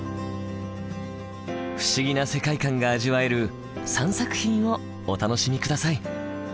不思議な世界観が味わえる３作品をお楽しみ下さい。